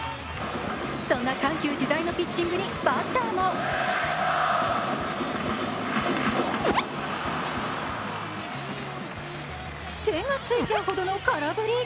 そんな緩急自在のピッチングにバッターも手がついちゃうほどの空振り。